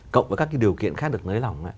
cộng với các điều kiện khác được nới lỏng